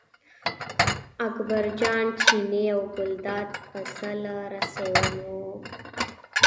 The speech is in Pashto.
اکبرجان چینی او ګلداد پسه له رسۍ ونیوه.